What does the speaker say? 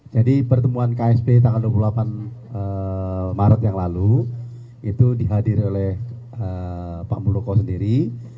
jadi pertemuan ksp tanggal dua puluh delapan maret yang lalu itu dihadiri oleh pak muldoko sendiri